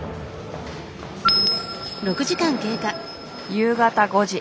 夕方５時。